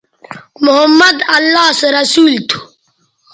محمدؐ اللہ سو رسول تھو